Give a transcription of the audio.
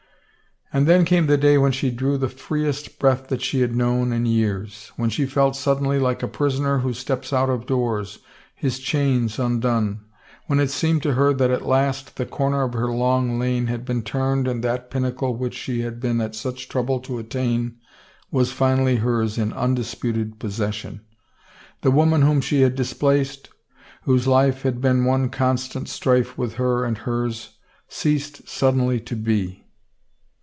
And then came the day when she drew the freest breath that she had known in years, when she felt sud denly like a prisoner who steps out of doors, his chains undone, when it seemed to her that at last the corner of her long lane had been turned and that pinnacle which she had been at such trouble to attain was finally hers in undisputed possession. The woman whom she had dis placed, whose life had been one constant strife with her and hers, ceased suddenly to be.